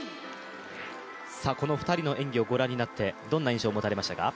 この２人の演技をご覧になってどんな印象を持たれましたか？